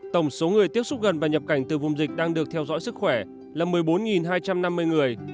tổng số người tiếp xúc gần và nhập cảnh từ vùng dịch đang được theo dõi sức khỏe là một mươi bốn hai trăm năm mươi người